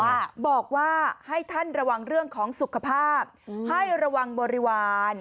บอกว่าให้ท่านระวังเรื่องของสุขภาพให้ระวังบริวาร